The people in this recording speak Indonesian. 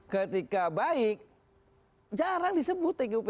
ketika baik jarang disebut tgup